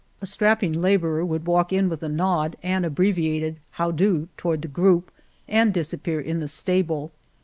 A strap ping laborer would walk in with a nod and abbreviated " How do " toward the group and disappear in the stable.